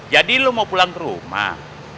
jadi lu mau pulang ke rumah